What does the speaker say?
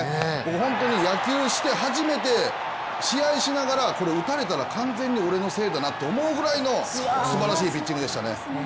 本当に野球して初めて試合しながら、これ、打たれたら完全に俺のせいだなと思うぐらいのすばらしいピッチングでしたね。